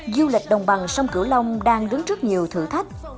du lịch đồng bằng sông cửu long đang đứng trước nhiều thử thách